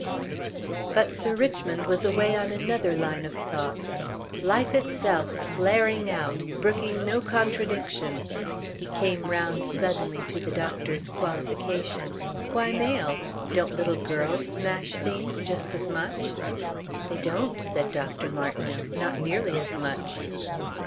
But Sir Richmond was away on another line of thought. "Life itself, flaring out. Brooking no contradiction." He came round suddenly to the doctor's qualification. "Why male? Don't little girls smash things just as much?" "They don't," said Dr. Martineau. "Not nearly as much."